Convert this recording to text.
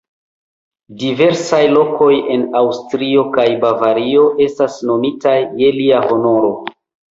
Diversaj lokoj en Aŭstrio kaj Bavario estas nomitaj je lia honoro.